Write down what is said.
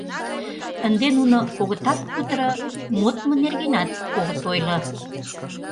Ынде нуно огытат кутыро, модмо нергенат огыт ойло.